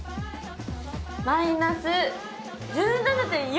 マイナス１７．４！